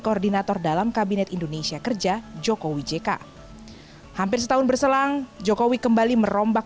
koordinator dalam kabinet indonesia kerja jokowi jk hampir setahun berselang jokowi kembali merombak